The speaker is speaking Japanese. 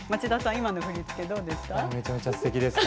今の振り付けどうですか。